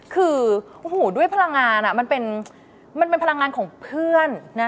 คือด้วยพลังงานมันเป็นพลังงานของเพื่อน